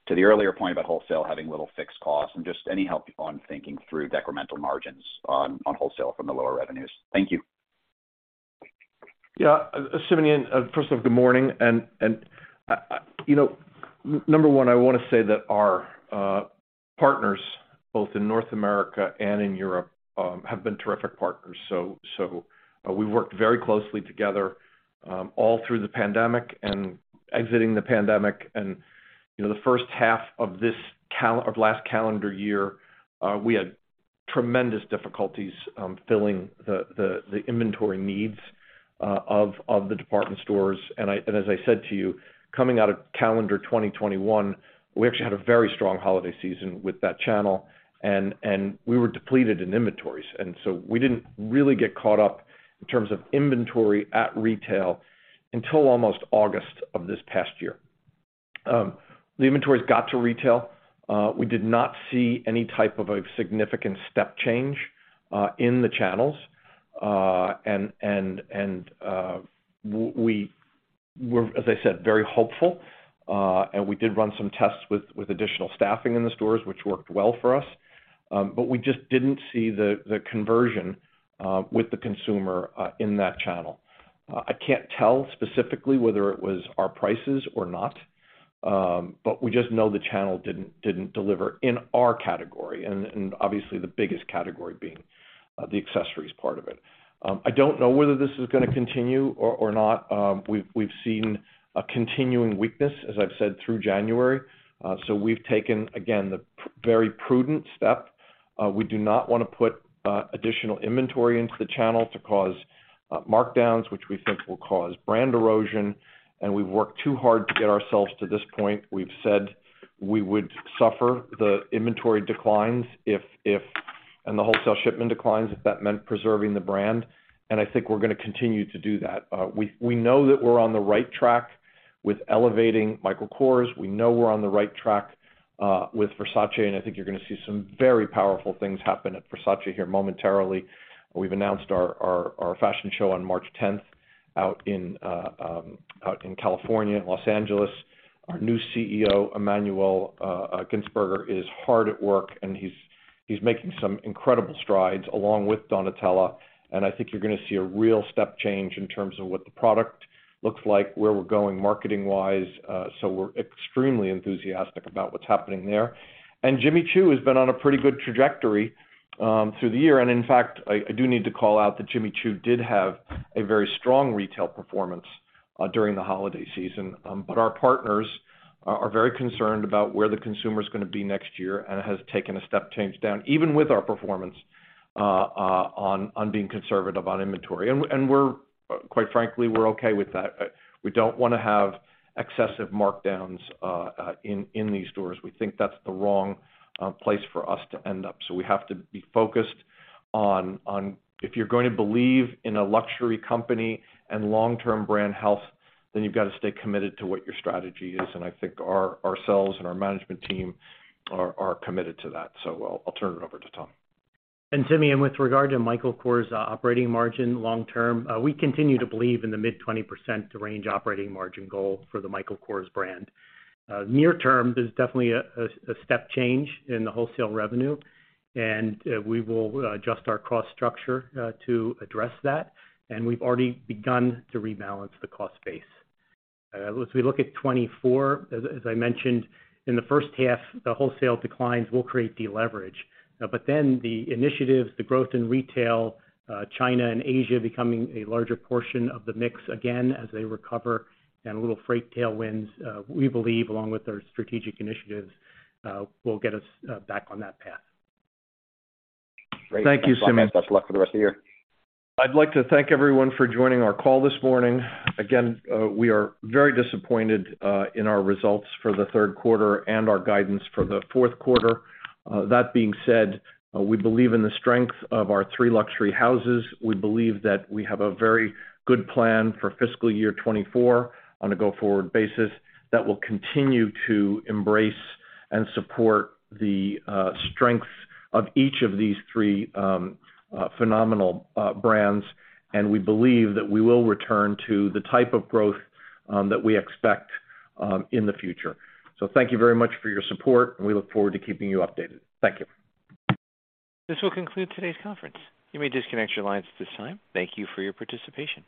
Speaker 11: To the earlier point about wholesale having little fixed costs and just any help on thinking through decremental margins on wholesale from the lower revenues. Thank you.
Speaker 3: Simeon, first off, good morning. You know, number one, I wanna say that our partners both in North America and in Europe have been terrific partners. We worked very closely together all through the pandemic and exiting the pandemic. You know, the first half of last calendar year, we had tremendous difficulties filling the inventory needs of the department stores. As I said to you, coming out of calendar 2021, we actually had a very strong holiday season with that channel and we were depleted in inventories. We didn't really get caught up in terms of inventory at retail until almost August of this past year. The inventories got to retail. We did not see any type of a significant step change in the channels. We were, as I said, very hopeful. We did run some tests with additional staffing in the stores, which worked well for us. We just didn't see the conversion with the consumer in that channel. I can't tell specifically whether it was our prices or not, but we just know the channel didn't deliver in our category, and obviously the biggest category being the accessories part of it. I don't know whether this is gonna continue or not. We've seen a continuing weakness, as I've said, through January. We've taken, again, the very prudent step. We do not wanna put additional inventory into the channel to cause markdowns, which we think will cause brand erosion, and we've worked too hard to get ourselves to this point. We've said we would suffer the inventory declines and the wholesale shipment declines, if that meant preserving the brand. I think we're gonna continue to do that. We know that we're on the right track with elevating Michael Kors. We know we're on the right track with Versace, and I think you're gonna see some very powerful things happen at Versace here momentarily. We've announced our fashion show on March 10th out in California, in Los Angeles. Our new CEO, Emmanuel Gintzburger, is hard at work and he's making some incredible strides along with Donatella. I think you're gonna see a real step change in terms of what the product looks like, where we're going marketing-wise. We're extremely enthusiastic about what's happening there. Jimmy Choo has been on a pretty good trajectory through the year. In fact, I do need to call out that Jimmy Choo did have a very strong retail performance during the holiday season. Our partners are very concerned about where the consumer is gonna be next year and has taken a step change down, even with our performance on being conservative on inventory. We're, quite frankly, we're okay with that. We don't wanna have excessive markdowns in these stores. We think that's the wrong place for us to end up. We have to be focused on if you're going to believe in a luxury company and long-term brand health, then you've got to stay committed to what your strategy is. I think ourselves and our management team are committed to that. I'll turn it over to Tom.
Speaker 4: Timmy, with regard to Michael Kors operating margin long term, we continue to believe in the mid 20% range operating margin goal for the Michael Kors brand. Near term, there's definitely a step change in the wholesale revenue, and we will adjust our cost structure to address that. We've already begun to rebalance the cost base. As we look at 2024, as I mentioned, in the first half, the wholesale declines will create deleverage. The initiatives, the growth in retail, China and Asia becoming a larger portion of the mix again as they recover and a little freight tailwinds, we believe, along with our strategic initiatives, will get us back on that path.
Speaker 3: Thank you, Simeon.
Speaker 11: Great. Thanks so much. Best of luck for the rest of the year.
Speaker 3: I'd like to thank everyone for joining our call this morning. Again, we are very disappointed in our results for the third quarter and our guidance for the fourth quarter. That being said, we believe in the strength of our three luxury houses. We believe that we have a very good plan for fiscal year 2024 on a go-forward basis that will continue to embrace and support the strengths of each of these three phenomenal brands. We believe that we will return to the type of growth that we expect in the future. Thank you very much for your support, and we look forward to keeping you updated. Thank you.
Speaker 1: This will conclude today's conference. You may disconnect your lines at this time. Thank you for your participation.